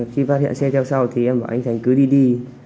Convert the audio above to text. khi phát hiện xe theo sau thì em bảo anh thành cứ đi đi